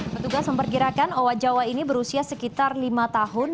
petugas memperkirakan owa jawa ini berusia sekitar lima tahun